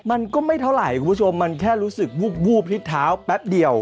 มันก็ไม่เท่าไหร่คุณผู้ชมมันแค่รู้สึกวูบพลิกเท้าแป๊บเดียว